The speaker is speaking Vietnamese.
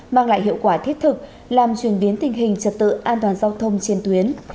mang lại hiệu quả thiết thực làm truyền biến tình hình trật tự an toàn giao thông trên tuyến